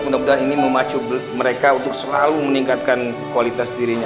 mudah mudahan ini memacu mereka untuk selalu meningkatkan kualitas dirinya